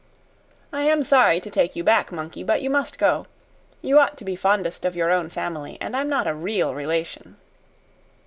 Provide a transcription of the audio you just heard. I am sorry to take you back, monkey; but you must go. You ought to be fondest of your own family; and I'm not a REAL relation."